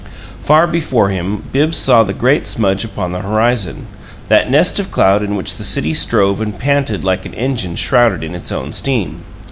Far before him Bibbs saw the great smudge upon the horizon, that nest of cloud in which the city strove and panted like an engine shrouded in its own steam.